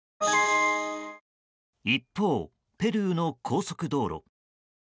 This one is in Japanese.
一方、ペルーの高速道路。